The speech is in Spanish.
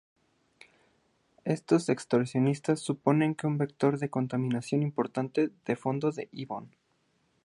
Estos excursionistas suponen un vector de contaminación importante del fondo del ibón.